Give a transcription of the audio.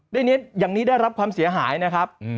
อย่างนี้ได้รับความเสียหายนะครับ